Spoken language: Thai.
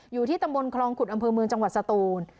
อยู่ที่ตำบลคลองขุดอำเภอเมืองจังหวัดสตูน